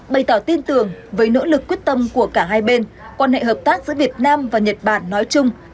bày tỏ tin tưởng với nỗ lực quyết tâm của cả hai bên quan hệ hợp tác giữa việt nam và nhật bản nói chung